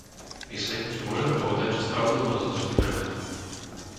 Myslím, že môžeme povedať, že spravodlivo rozložili bremeno.